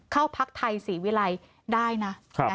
เข้าพรรคไทยสีวิรัยได้นะ